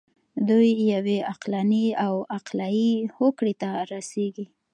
دوی یوې عقلاني او عقلایي هوکړې ته رسیږي.